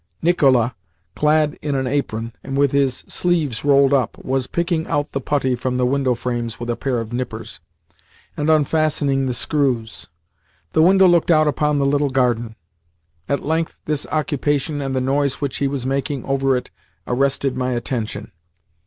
Nicola, clad in an apron, and with his sleeves rolled up, was picking out the putty from the window frames with a pair of nippers, and unfastening the screws. The window looked out upon the little garden. At length his occupation and the noise which he was making over it arrested my attention.